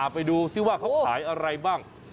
ไปดูซิว่าเขาขายอะไรบ้าง